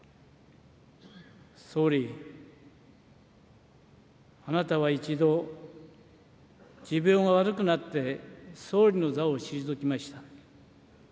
総理、あなたは一度、持病が悪くなって、総理の座を退きました。